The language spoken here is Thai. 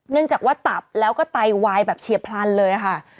เนื่องจากว่าตับแล้วก็ไตวายแบบเฉียบพลันเลยค่ะ